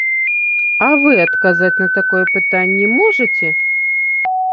А вы адказаць на такое пытанне можаце?